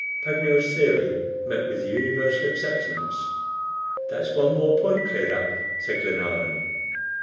Paganel's theory met with universal acceptance. "That's one more point cleared up," said Glenarvan.